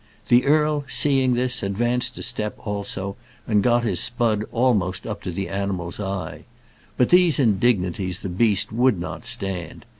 The earl, seeing this, advanced a step also, and got his spud almost up to the animal's eye. But these indignities the beast could not stand.